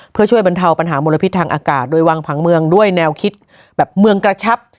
เพื่อช่วยบรรเทาปัญหามลพิษทางอากาศโดยวางผังเมืองด้วยแนวคิดแบบเมืองกระชับ